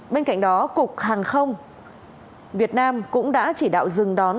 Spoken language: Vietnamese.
bên cạnh đó cục hàng không việt nam cũng đã chỉ đạo dừng đón